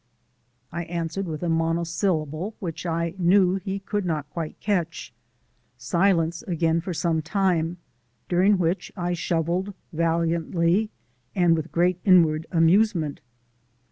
I answered with a monosyllable which I knew he could not quite catch. Silence again for some time, during which I shovelled valiantly and with great inward amusement.